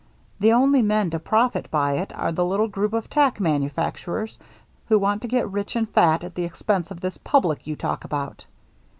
The only men to profit by it are the little group of tack manufacturers who want to get rich and fat at the expense of this public you talk about.